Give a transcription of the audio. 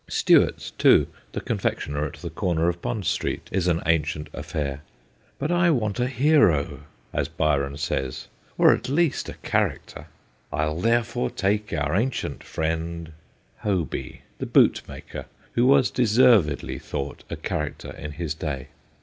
Stewart's, too, the confectioner's at the corner of Bond Street, is an ancient affair. But I want a hero, as Byron says, or at least a character. ,..' 1 11 therefore take our ancient friend ' Hoby, the bootmaker, who was deservedly thought a character in his day.